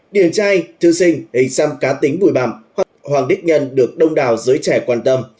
điển trai thư sinh hình xăm cá tính vùi bằm hoàng đức nhân được đông đào giới trẻ quan tâm